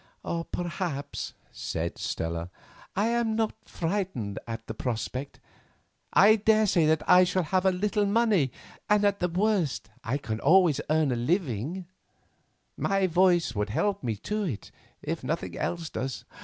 "Perhaps," said Stella, "I am not frightened at the prospect. I daresay that I shall have a little money and at the worst I can always earn a living; my voice would help me to it, if nothing else does.